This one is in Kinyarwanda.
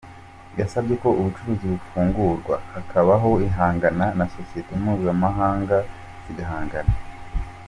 Yasabye ko ubucuruzi bufungurwa hakabaho ihangana na sosiyete mpuzamahanga zigahangana.